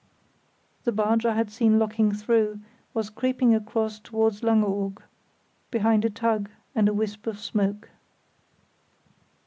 The barge I had seen locking through was creeping across towards Langeoog behind a tug and a wisp of smoke.